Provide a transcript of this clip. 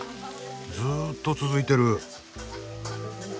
ずっと続いてる。